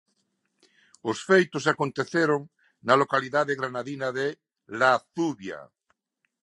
Os feitos aconteceron na localidade granadina de La Zubia.